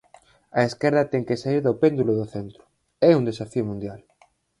A esquerda ten que saír do péndulo do centro, é un desafío mundial.